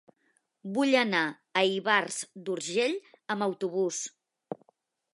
Vull anar a Ivars d'Urgell amb autobús.